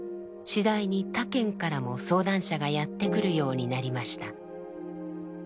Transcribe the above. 次第に他県からも相談者がやって来るようになりました。